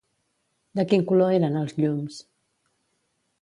De quin color eren els llums?